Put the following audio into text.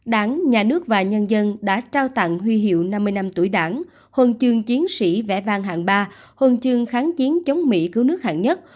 đảng nhà nước và nhân dân đã trao tặng huy hiệu năm mươi năm tuổi đảng huân chương chiến sĩ vẽ vang hạng ba huân chương kháng chiến chống mỹ cứu nước hạng nhất